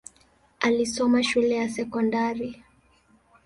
Alisoma shule ya sekondari.